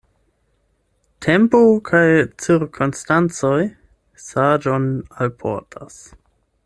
Tempo kaj cirkonstancoj saĝon alportas.